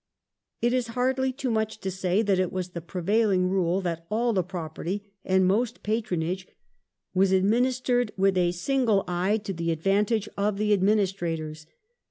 It is hardly too much to say that it was the prevail ing rule that all property and most patronage was administered with a single eye to the advantage of the administrators.